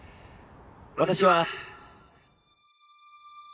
私は。